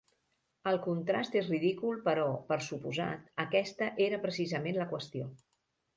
El contrast és ridícul però, per suposat, aquesta era precisament la qüestió.